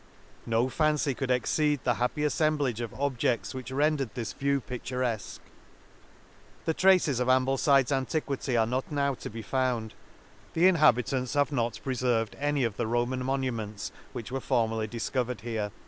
— No fancy could exceed the happy affemblage of obje&s which rendered this view pi&urefcjue, The traces of Amblefide's antiquity are notnowto be found ;— the inhabitants have not preferred any of the Roman monu * ments which were formerly difcovered here* From $?